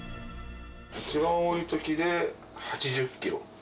一番多いときで８０キロ。